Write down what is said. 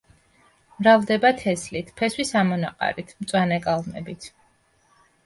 მრავლდება თესლით, ფესვის ამონაყარით, მწვანე კალმებით.